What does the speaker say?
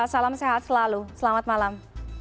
salam sehat selalu selamat malam